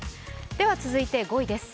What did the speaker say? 続いては５位です。